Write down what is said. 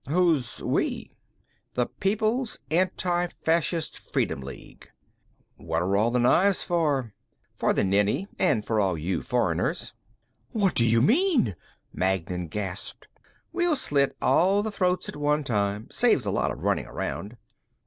"Who's 'we'?" "The People's Anti Fascist Freedom League." "What are all the knives for?" "For the Nenni; and for all you foreigners." "What do you mean?" Magnan gasped. "We'll slit all the throats at one time. Saves a lot of running around."